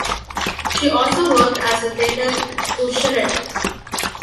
She also worked as a theater usherette.